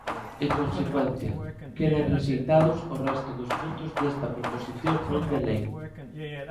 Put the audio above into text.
En consecuencia, quedan rexeitados o resto dos puntos desta proposición non de lei.